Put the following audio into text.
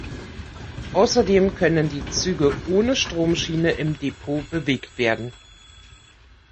Außerdem können die Züge ohne Stromschiene im Depot bewegt werden.